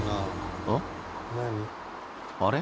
あれ？